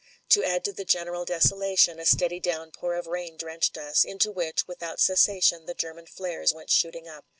To add to the general desolation a steady downpour of rain drenched us, into which, without cessation the German flares went shooting up.